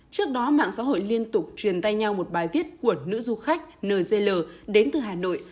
trước đó mạng xã hội liên tục truyền tay nhau một bài viết của nữ du khách nzl đến từ hà nội